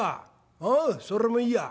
おうそれもいいや。